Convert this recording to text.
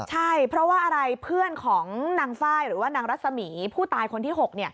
ใช่เพราะว่าอะไรเพื่อนของนางไฟล์หรือว่านางรัศมีผู้ตายคนที่๖